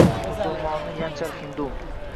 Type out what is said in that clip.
Musulmonni yanchar hindu